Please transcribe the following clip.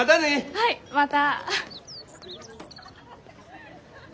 はいまた。